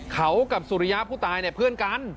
เขากับสุริยะผู้ตายเนี่ยเพื่อนกัน